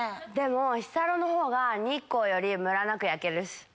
でも日サロのほうが日光よりムラなく焼けるっす。